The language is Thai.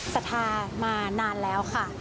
สถามานานแล้วค่ะ